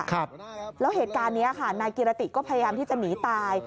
ครับแล้วเหตุการณ์นี้ค่ะนายกิรติก็พยายามที่จะหนีตาย